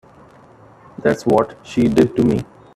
That's what she did to me.